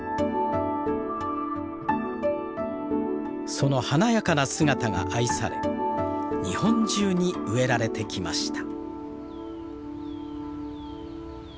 その華やかな姿が愛され日本中に植えられてきました。